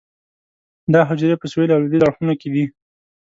دا حجرې په سویل او لویدیځ اړخونو کې دي.